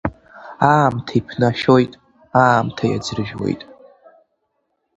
Аамҭа иԥнашәоит, аамҭа иаӡрыжәуеит.